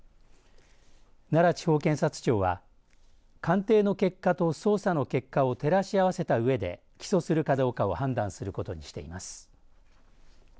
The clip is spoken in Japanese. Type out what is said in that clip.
奈良地方検察庁は鑑定の結果と捜査の結果を照らし合わせたうえで起訴するかどうかを判断することにしています。